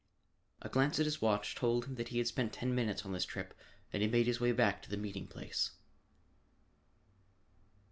A glance at his watch told him that he had spent ten minutes on this trip and he made his way back to the meeting place.